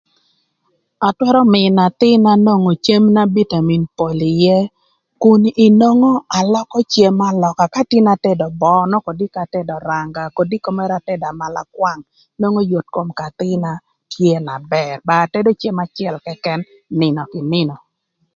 Atwërö mïnö athïn-na nwongo cem na bitamin pol ïë kun inwongo alökö cem alöka ka tin atedo böö nök kodiko nwongo atedo dee öranga, kodiko mërë atedo amalakwang nwongo yot kom k'athïna tye na bër, ba atedo cem acël këkën nïnö kï nïnö.